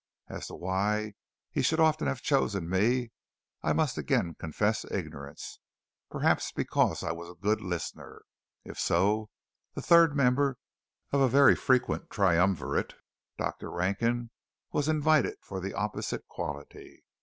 As to why he should so often have chosen me I must again confess ignorance. Perhaps because I was a good listener. If so, the third member of a very frequent triumvirate, Dr. Rankin, was invited for the opposite quality.